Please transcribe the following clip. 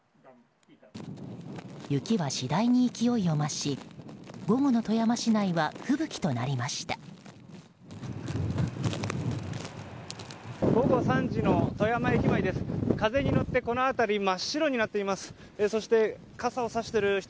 雪は次第に勢いを増し午後の富山市内はふぶきとなりました。